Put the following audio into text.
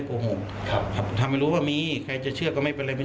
กรรมที่อาจารย์ให้ทำ